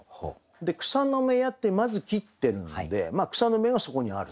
で「草の芽や」ってまず切ってるんで草の芽がそこにある。